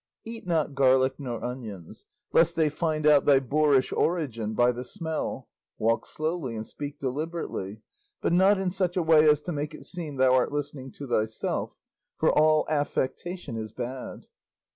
"Eat not garlic nor onions, lest they find out thy boorish origin by the smell; walk slowly and speak deliberately, but not in such a way as to make it seem thou art listening to thyself, for all affectation is bad.